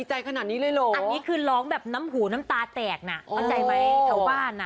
อันนี้คือร้องแบบน้ำหูน้ำตาแตกน่ะเข้าใจไหมแถวบ้านน่ะ